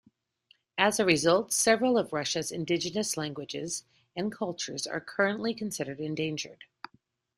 As a result, several of Russia's indigenous languages and cultures are currently considered endangered.